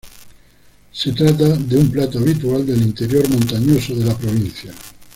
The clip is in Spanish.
Se trata de un plato habitual del interior montañoso de la provincia.